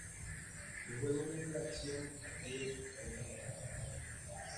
El juego mezcla acción a pie con mechas.